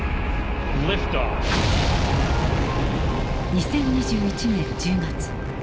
２０２１年１０月。